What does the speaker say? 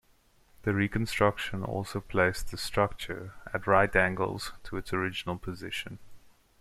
The reconstruction also placed the structure at right angles to its original position.